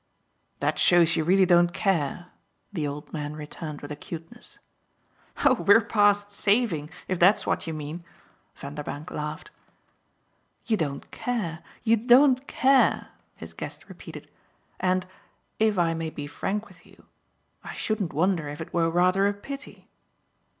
"That shows you really don't care," the old man returned with acuteness. "Oh we're past saving, if that's what you mean!" Vanderbank laughed. "You don't care, you don't care!" his guest repeated, "and if I may be frank with you I shouldn't wonder if it were rather a pity."